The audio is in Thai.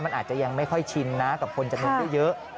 มันอาจจะยังไม่ค่อยชินนะกับคนจำนวนเยอะ